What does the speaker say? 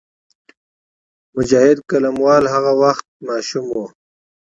مجاهد قلموال هغه وخت ماشوم وو.